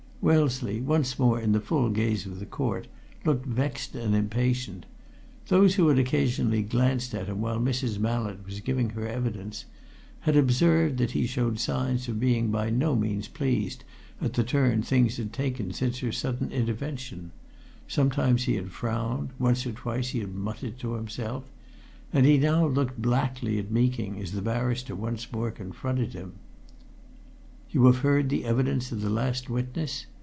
Wellesley, once more in the full gaze of the court, looked vexed and impatient. Those who had occasionally glanced at him while Mrs. Mallett was giving her evidence had observed that he showed signs of being by no means pleased at the turn things had taken since her sudden intervention sometimes he had frowned; once or twice he had muttered to himself. And he now looked blackly at Meeking as the barrister once more confronted him. "You have heard the evidence of the last witness?"